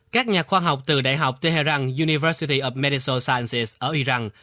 các nhà khoa học từ đại học tehran university of medical sciences ở iran